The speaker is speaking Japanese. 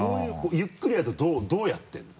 ゆっくりやるとどうやってるの？